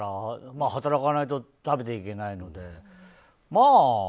働かないと食べていけないのでまあ